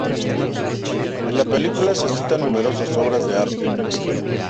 En la película se citan numerosas obras de arte.